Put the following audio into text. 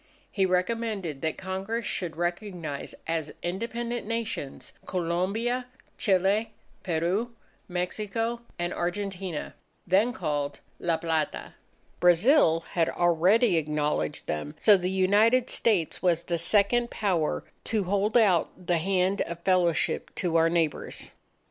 He recommended that Congress should recognize as independent Nations, Colombia, Chile, Peru, Mexico, and Argentina, then called La Plata. Brazil had already acknowledged them; so the United States was the second Power to hold out the hand of fellowship to our neighbours.